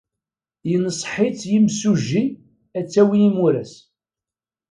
Yenṣeḥ-itt yimsujji ad tawi imuras.